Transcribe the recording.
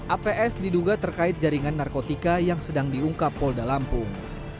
aps diduga terkait jaringan narkotika yang sedang diungkap polda lampung